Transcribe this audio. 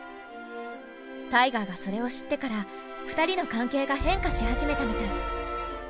タイガーがそれを知ってから２人の関係が変化し始めたみたい。